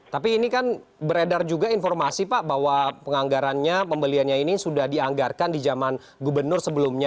tapi ini kan beredar juga informasi pak bahwa penganggarannya pembeliannya ini sudah dianggarkan di zaman gubernur sebelumnya